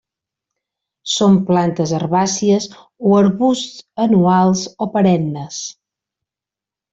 Són plantes herbàcies o arbusts anuals o perennes.